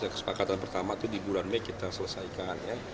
kesepakatan pertama itu di bulan mei kita selesaikan ya